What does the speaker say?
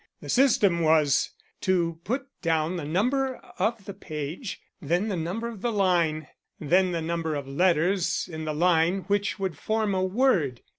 The system was to put down the number of the page, then the number of the line, then the number of letters in the line which would form a word.